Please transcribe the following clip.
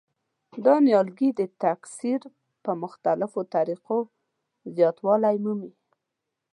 دا نیالګي د تکثیر په مختلفو طریقو زیاتوالی مومي.